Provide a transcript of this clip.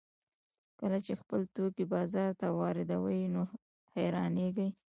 کله چې خپل توکي بازار ته واردوي نو حیرانېږي